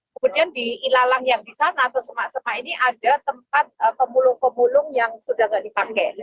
kemudian di ilalang yang di sana atau semak semak ini ada tempat pemulung pemulung yang sudah tidak dipakai